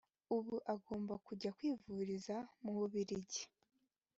ubu agomba kujya kwivuriza mu Bubiligi